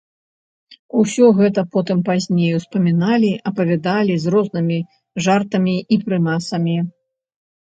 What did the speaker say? Усё гэта потым, пазней, успаміналі, апавядалі з рознымі жартамі і прымасамі.